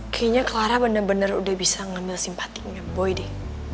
kayaknya clara bener bener udah bisa ngambil simpatinya boy deh